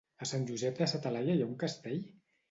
A Sant Josep de sa Talaia hi ha un castell?